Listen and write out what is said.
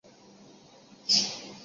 官至工部主事。